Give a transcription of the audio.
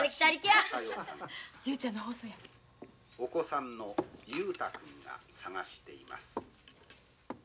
「お子さんの雄太君が捜しています。